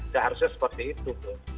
harusnya seperti itu